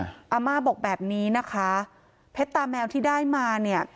อาม่าบอกแบบนี้นะคะเพชรตาแมวที่ได้มาเนี่ย